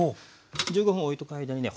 １５分おいとく間にね